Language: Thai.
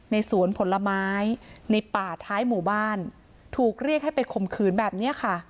ในสวนผลไม้ในป่าท้ายหมู่บ้านถูกเรียกให้ไปข่มขืนแบบนี้ค่ะ